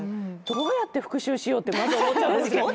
どうやって復讐しようってまず思っちゃうかも。